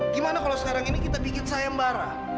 gimana kalau sekarang ini kita bikin sayembara